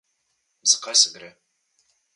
Za kaj se gre?